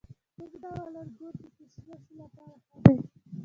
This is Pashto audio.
کوم ډول انګور د کشمشو لپاره ښه دي؟